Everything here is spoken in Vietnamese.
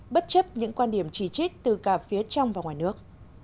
bất chấp những quan điểm chỉ trích từ cả phía trong và ngoài nước